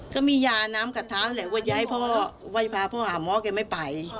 ก็มียาน้ำกระท้าเดี๋ยวให้พ่อไว้พาพ่อหาหม้อแกไม่ไป